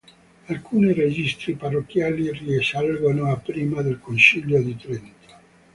Alcuni registri parrocchiali risalgono a prima del Concilio di Trento.